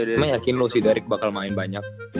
emang yakin lu si derick bakal main banyak